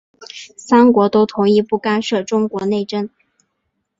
三国都同意不干涉中国内政。